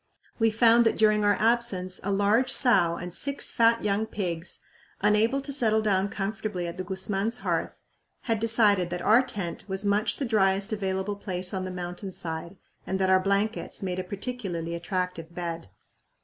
We found that during our absence a large sow and six fat young pigs, unable to settle down comfortably at the Guzman hearth, had decided that our tent was much the driest available place on the mountain side and that our blankets made a particularly attractive bed.